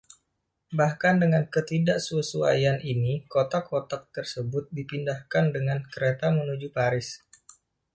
Bahkan dengan ketidaksesuaian ini, kotak-kotak tersebut dipindahkan dengan kereta menuju Paris.